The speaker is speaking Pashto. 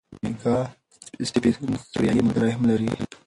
میکا سټیفنز سوریایي ملګری هم لري.